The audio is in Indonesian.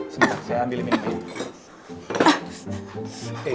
sebentar saya ambil ini